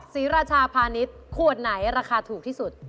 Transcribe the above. ราชาพาณิชย์ขวดไหนราคาถูกที่สุด